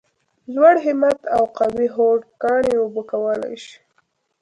لوړ همت او قوي هوډ کاڼي اوبه کولای شي !